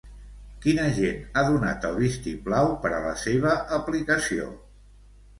Quin agent ha donat el vistiplau per a la seva aplicació?